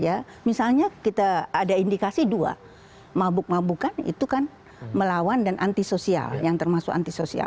ya misalnya kita ada indikasi dua mabuk mabukan itu kan melawan dan antisosial yang termasuk antisosial